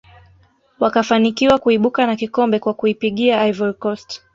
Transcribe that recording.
wakafanikiwa kuibuka na kikombe kwa kuipiga ivory coast